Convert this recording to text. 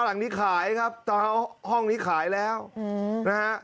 หลังนี้ขายครับห้องนี้ขายแล้วนะฮะ